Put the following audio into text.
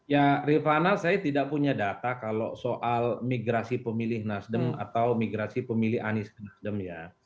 ya rifana saya tidak punya data kalau soal migrasi pemilih nasdem atau migrasi pemilih anies nasdem ya